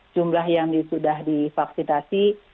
jumlah yang sudah divaksinasi